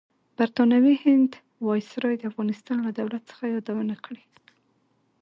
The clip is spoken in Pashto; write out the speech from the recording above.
برطانوي هند وایسرای د افغانستان لۀ دولت څخه یادونه کړې.